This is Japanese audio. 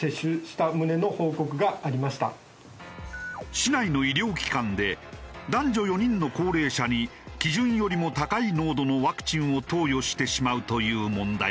市内の医療機関で男女４人の高齢者に基準よりも高い濃度のワクチンを投与してしまうという問題が。